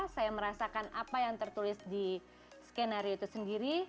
saya merasakan apa yang tertulis di skenario itu sendiri